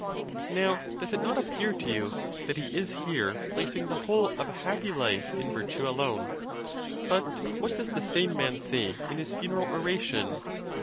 Now, does it not appear to you that he is here placing the whole of a hap py life in virtue alone? But what does the same man say in his funeral oration?